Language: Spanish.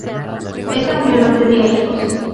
Esta unión no tendría hijos.